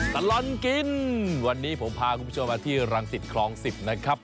ตลอดกินวันนี้ผมพาคุณผู้ชมมาที่รังสิตคลอง๑๐นะครับ